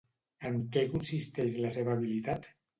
En què consisteix la seva habilitat?